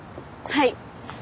はい。